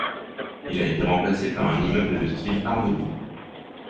Il a été remplacé par un immeuble de style Art nouveau.